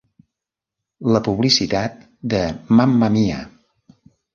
La publicitat de Mamma Mia!